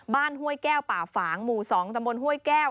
บ้านห้วยแก้วป่าฝางหมู่๒จังมวลห้วยแก้ว